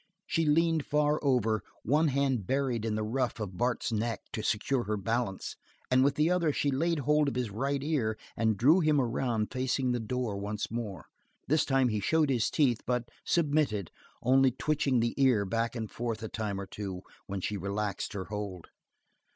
She leaned far over, one hand buried in the ruff of Bart's neck to secure her balance, and with the other she laid hold of his right ear and drew him around facing the door once more. This time he showed his teeth but submitted, only twitching the ear back and forth a time or two when she relaxed her hold.